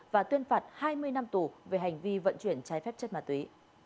và tuyên phạt hai mươi năm tù về hành vi vận chuyển trái phép chất ma túy